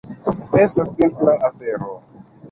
Estas simpla afero.